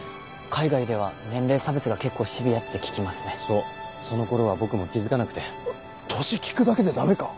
海外では年齢差別が結構シビアって聞きまそうその頃は僕も気付かなくて年聞くだけでダメか？